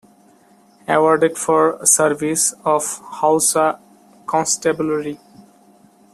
Awarded for service of Hausa Constabulary.